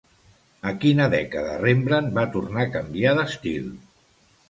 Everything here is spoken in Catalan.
A quina dècada Rembrandt va tornar a canviar d'estil?